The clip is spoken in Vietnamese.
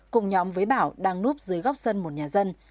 cùng nhóm với bảo đang núp dưới góc sân một nhà dân